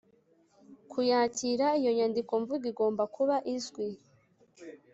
kuyakira Iyo nyandikomvugo igomba kuba izwi